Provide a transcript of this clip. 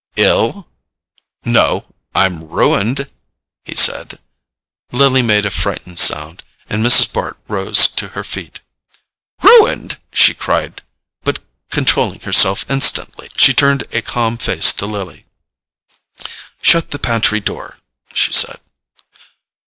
"Ill?—— No, I'm ruined," he said. Lily made a frightened sound, and Mrs. Bart rose to her feet. "Ruined——?" she cried; but controlling herself instantly, she turned a calm face to Lily. "Shut the pantry door," she said.